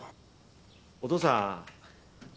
お父さん。